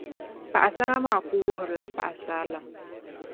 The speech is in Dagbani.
Paɣisara maa kuli wuhirili la paɣisarilim